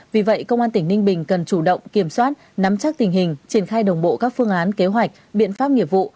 vì vậy công an tỉnh ninh bình cần chủ động kiểm soát nắm chắc tình hình triển khai đồng bộ các phương án kế hoạch biện pháp nghiệp vụ